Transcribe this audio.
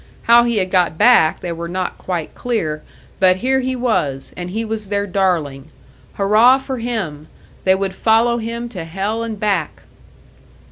How he had got back they were not quite clear but here he was, and he was their darling. Hurrah for him! They would follow him to hell and back!